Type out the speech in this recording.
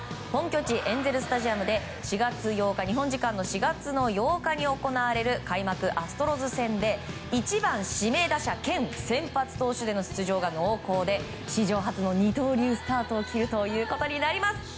本拠地エンゼル・スタジアムで日本時間４月８日に行われる開幕アストロズ戦で１番指名打者兼先発投手での出場が濃厚で史上初の二刀流スタートを切るということになります。